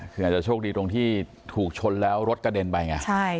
คืออาจจะโชคดีตรงที่ถูกชนแล้วรถกระเด็นไปไง